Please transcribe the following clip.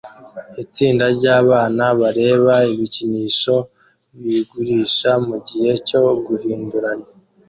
Itsinda ryabana bareba ibikinisho bigurishwa mugihe cyo guhinduranya